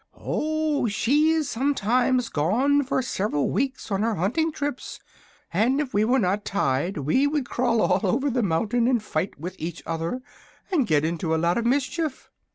"Oh, she is sometimes gone for several weeks on her hunting trips, and if we were not tied we would crawl all over the mountain and fight with each other and get into a lot of mischief.